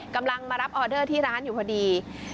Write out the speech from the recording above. กำลังมารับออเดอร์ที่ร้านอยู่พอดี